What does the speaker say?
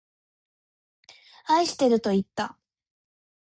愛してるといった。